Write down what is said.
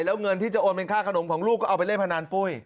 แล้วเงินที่จะโอนเป็นค่าขนมของลูกก็เอาไปเล่นพนันปุ้ย